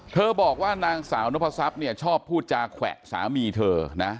บอกว่านางสาวนพศัพย์เนี่ยชอบพูดจาแขวะสามีเธอนะ